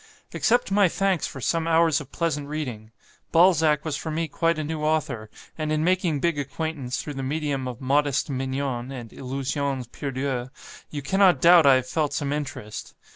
"Accept my thanks for some hours of pleasant reading. Balzac was for me quite a new author; and in making big acquaintance, through the medium of 'Modeste Mignon,' and 'Illusions perdues,' you cannot doubt I have felt some interest.